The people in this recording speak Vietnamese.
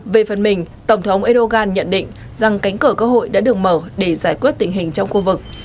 về phần mình tổng thống erdogan nhận định rằng cánh cửa cơ hội đã được mở để giải quyết tình hình trong khu vực